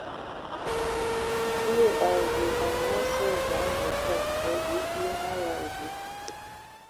Kulu a zu, amu a sə kig dzam bɔ tə so: bii bi hm nye vala ebu bu.